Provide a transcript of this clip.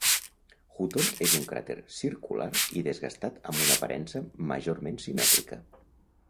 Hutton és un cràter circular i desgastat amb una aparença majorment simètrica.